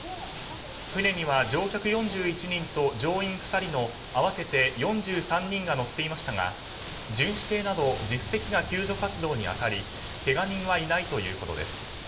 船には乗客４１人と乗員２人の合わせて４３人が乗っていましたが巡視艇など１０隻が救助活動に当たりけが人はいないということです。